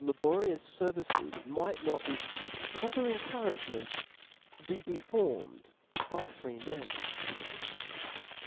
'9. laborious fervices might not with proper encou ragement be performed by freemen.